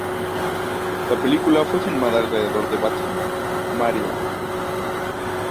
La película fue filmada alrededor de Baltimore, Maryland.